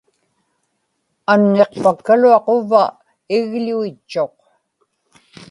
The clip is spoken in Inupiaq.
anŋiqpakkaluaq uvva igḷuitchuq